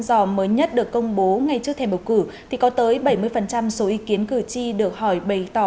do mới nhất được công bố ngay trước thềm bầu cử thì có tới bảy mươi số ý kiến cử tri được hỏi bày tỏ